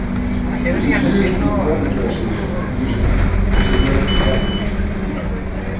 It is used with web addresses using Cyrillic letters.